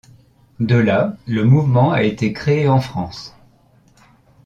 De là, le mouvement a été créé en France.